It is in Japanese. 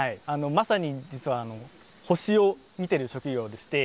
まさに実は星を見てる職業でして。